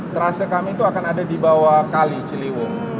trase kami itu akan ada di bawah kali ciliwo